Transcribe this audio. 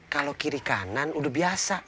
kalau kiri kanan udah biasa